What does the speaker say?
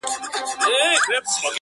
ته وایه و تیارو لره ډېوې لرې که نه,